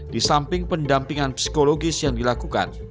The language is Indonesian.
di samping pendampingan psikologis yang dilakukan